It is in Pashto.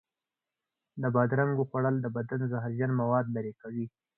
د بادرنګو خوړل د بدن زهرجن موادو لرې کوي.